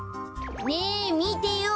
ねえみてよ